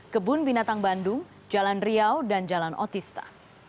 kebun binatang bandung jalan riau dan jalan otista